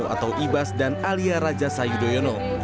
atau ibas dan alia rajasa yudhoyono